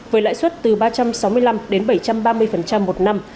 với lãi suất từ ba trăm sáu mươi năm đến bảy trăm ba mươi một năm